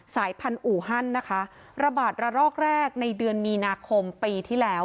สายพันธุฮันนะคะระบาดระลอกแรกในเดือนมีนาคมปีที่แล้ว